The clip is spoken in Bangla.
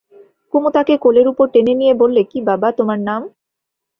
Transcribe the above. কুমু তাকে কোলের উপর টেনে নিয়ে বললে, কী বাবা, তোমার নাম?